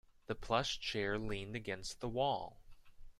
The plush chair leaned against the wall.